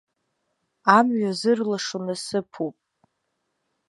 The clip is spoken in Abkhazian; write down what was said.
Амҩа зырлашо насыԥуп.